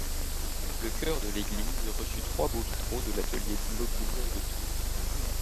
Le chœur de l'église reçut trois beaux vitraux de l'atelier Lobin, de Tours.